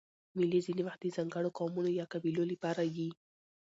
مېلې ځیني وخت د ځانګړو قومونو یا قبیلو له پاره يي.